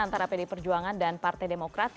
antara pdi perjuangan dan partai demokrat